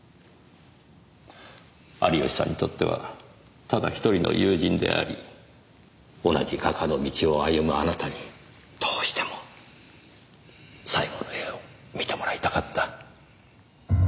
有吉さんにとってはただひとりの友人であり同じ画家の道を歩むあなたにどうしても最後の絵を見てもらいたかった。